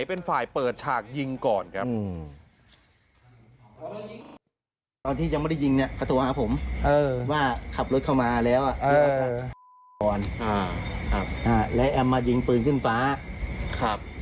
เป็นฉากยิงก่อนครับ